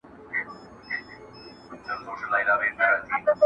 ستا په نوم یې الهام راوړی شاپېرۍ مي د غزلو،